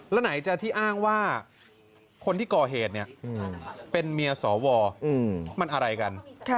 แล้วไหนจะที่อ้างว่าคนที่ก่อเหตุเนี่ยเป็นเมียสวมันอะไรกัน